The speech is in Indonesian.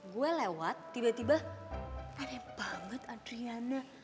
gue lewat tiba tiba pare banget adriana